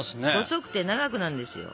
細くて長くなんですよ。